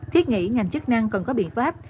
thiết nghĩ ngành chức năng cần có biện pháp